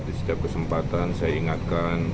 di setiap kesempatan saya ingatkan